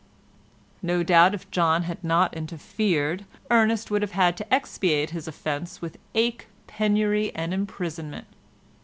No doubt if John had not interfered, Ernest would have had to expiate his offence with ache, penury and imprisonment.